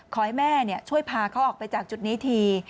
ขอให้แม่ช่วยพาเขาออกไปจากจุดนี้ที